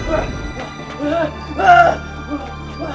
terima kasih kami